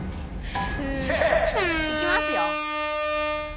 ふいきますよ。